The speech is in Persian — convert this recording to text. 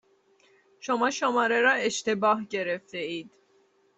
شما شماره را اشتباه گرفتهاید.